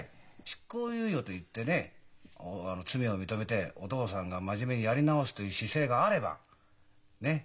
執行猶予と言ってね罪を認めてお父さんが真面目にやり直すという姿勢があればねっ？